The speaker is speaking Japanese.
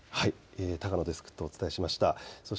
高野デスクとお伝えしました。